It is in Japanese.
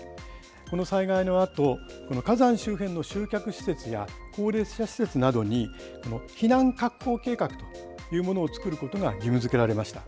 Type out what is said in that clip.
この災害のあと、火山周辺の集客施設や高齢者施設などに、避難確保計画というものを作ることが義務づけられました。